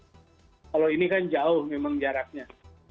kalau ini kan jauh memang jaraknya